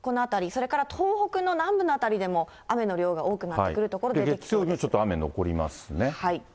それから東北の南部の辺りでも雨の量が多くなってくる所が出てき月曜日にちょっと雨残りますはい。